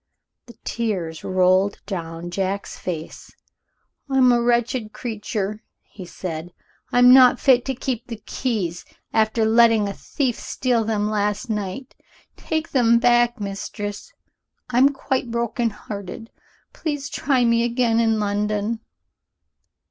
The tears rolled down Jack's face. "I'm a wretched creature," he said; "I'm not fit to keep the keys, after letting a thief steal them last night. Take them back, Mistress I'm quite broken hearted. Please try me again, in London."